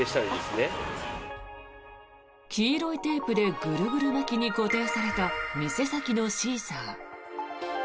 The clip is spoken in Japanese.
黄色いテープでぐるぐる巻きにされた店先のシーサー。